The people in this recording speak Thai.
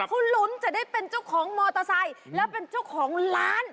คุณลุ้นจะได้เป็นเจ้าของมอเตอร์ไซค์แล้วเป็นเจ้าของร้าน